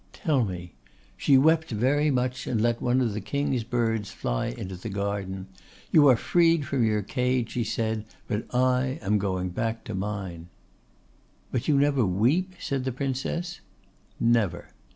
'Tell me.' 'She wept very much, and let one of the King's birds fly into the garden. "You are freed from your cage," she said; "but I am going back to mine."' 'But you never weep?' said the Princess. 'Never.